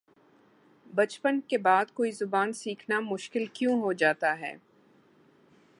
بچپن کے بعد کوئی زبان سیکھنا مشکل کیوں ہوجاتا ہے